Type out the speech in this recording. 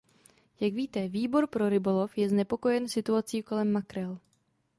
Jak víte, Výbor pro rybolov je znepokojen situací kolem makrel.